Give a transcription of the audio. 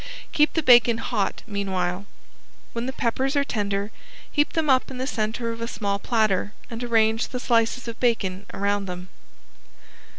Keep the bacon hot meanwhile. When the peppers are tender heap them up in the center of a small platter and arrange the slices of bacon around them.